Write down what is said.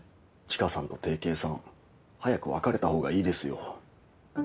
知花さんと定型さん早く別れた方がいいですよ。